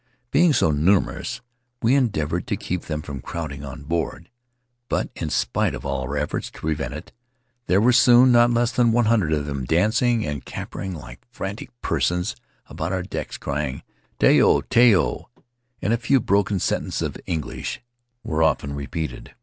Being so numerous, we endeavored to keep them from crowding on board; but, in spite of all our efforts to prevent it, there were soon not less than one hundred of them dancing and capering like frantic persons about our decks, crying, " Tayo! Tayo!" and a few broken sentences of English were often repeated.